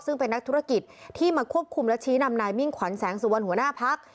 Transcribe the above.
ซึ่งเป็นนักธุรกิจที่มาควบคุมและชี้นำนายมิ่งขวัญแสงสุวรรณหัวหน้าพัก